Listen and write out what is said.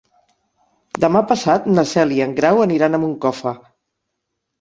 Demà passat na Cel i en Grau aniran a Moncofa.